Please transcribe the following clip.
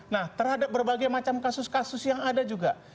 nah terhadap berbagai macam kasus kasus yang ada juga